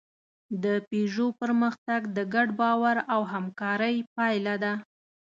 د پيژو پرمختګ د ګډ باور او همکارۍ پایله ده.